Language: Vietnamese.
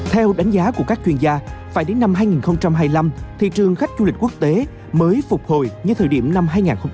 theo đánh giá của các chuyên gia phải đến năm hai nghìn hai mươi năm thị trường khách du lịch quốc tế mới phục hồi như thời điểm năm hai nghìn hai mươi ba